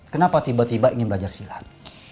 kenapa tiba tiba ingin belajar silat